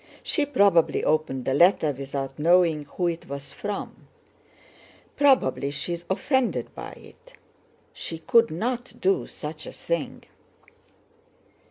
She probably opened the letter without knowing who it was from. Probably she is offended by it. She could not do such a thing!"